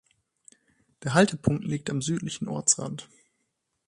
Der Haltepunkt liegt am südlichen Ortsrand.